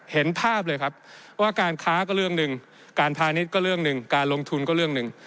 เห็นภาพเลยครับว่าการค้าก็เรื่องหนึ่งการพาณิชย์ก็เรื่องหนึ่งการลงทุนก็เรื่องหนึ่ง